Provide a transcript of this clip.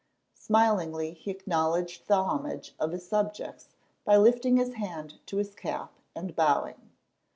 Smilingly he acknowledged the homage of his subjects by lifting his hand to his cap and bowing.